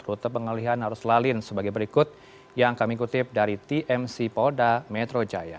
rute pengalihan arus lalin sebagai berikut yang kami kutip dari tmc polda metro jaya